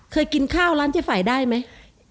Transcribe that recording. เคยกินข้าวร้านเจ๊ไฝได้ไหม